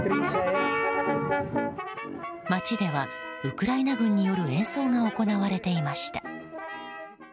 街では、ウクライナ軍による演奏が行われていました。